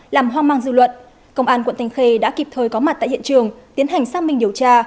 làm hoang mang dư luận công an quận thanh khê đã kịp thời có mặt tại hiện trường tiến hành xác minh điều tra